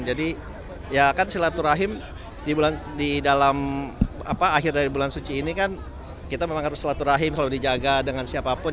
jadi ya kan silaturahim di akhir dari bulan suci ini kan kita memang harus silaturahim kalau di sini